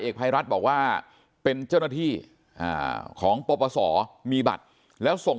ภัยรัฐบอกว่าเป็นเจ้าหน้าที่ของปปศมีบัตรแล้วส่ง